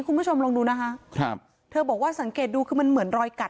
คุณผู้ชมลองดูนะคะครับเธอบอกว่าสังเกตดูคือมันเหมือนรอยกัด